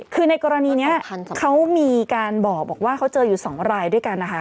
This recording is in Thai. คือในกรณีนี้เขามีการบอกว่าเขาเจออยู่๒รายด้วยกันนะคะ